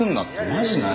マジない。